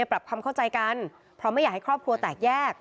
ปรับความเข้าใจกันเพราะไม่อยากให้ครอบครัวแตกแยก